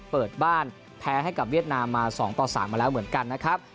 เปิดบ้านแพ้ให้กับเวียดนามมา๒ต่อ๓มาแล้วเหมือนกันนะครับ